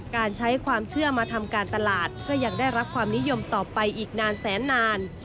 การใช้ความเชื่อมาทำการตลาดก็ยังได้รับความนิยมต่อไปอีกนานแสนนาน